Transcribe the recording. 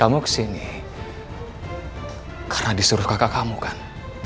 kamu kesini karena disuruh kakak kamu kan